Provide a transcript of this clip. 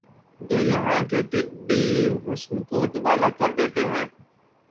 جو یہاں کے طبعی حسن کو دوبالا کر دیتے ہیں